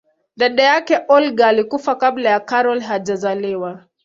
dada yake olga alikufa kabla karol hajazaliwa